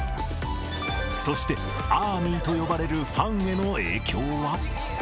そしてアーミーと呼ばれるファンへの影響は。